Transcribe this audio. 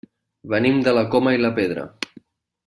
Venim de la Coma i la Pedra.